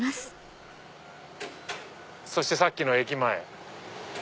そしてさっきの駅前。